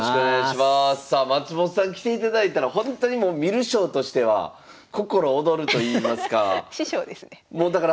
さあ松本さん来ていただいたらほんとにもう観る将としては心躍るといいますか。